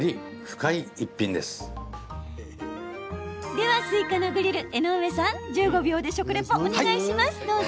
では、スイカのグリル江上さん１５秒で食リポお願いします。